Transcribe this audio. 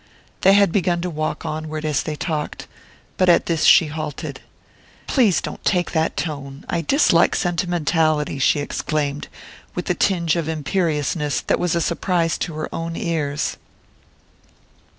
They had begun to walk onward as they talked, but at this she halted. "Please don't take that tone. I dislike sentimentality!" she exclaimed, with a tinge of imperiousness that was a surprise to her own ears.